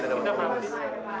kita paham pak